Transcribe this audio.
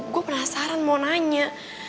gue penasaran mau nanya